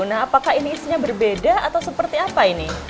nah apakah ini isinya berbeda atau seperti apa ini